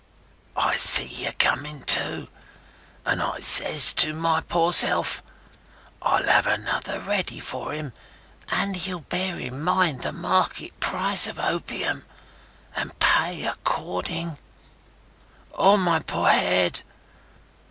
I see ye coming to, and I ses to my poor self, 'I'll have another ready for him, and he'll bear in mind the market price of opium, and pay according.' O my poor head!